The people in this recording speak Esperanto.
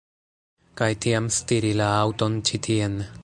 Kaj tiam stiri la aŭton ĉi tien